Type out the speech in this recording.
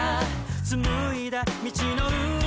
「紡いだ道の上に」